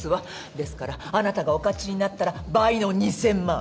ですからあなたがお勝ちになったら倍の２，０００万。